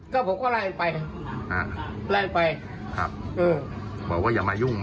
ก็ผมก็ไล่ไปอ่าไล่ไปครับอืม